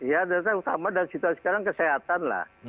ya terutama dari situasi sekarang kesehatan lah